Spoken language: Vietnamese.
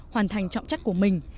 hoàn thành trọng trách của mình